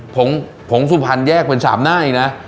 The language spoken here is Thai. ผงผงสุพรรณแยกเป็น๓หน้าอีกนะ